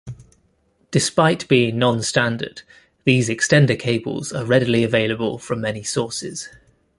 Despite being nonstandard, these extender cables are readily available from many sources.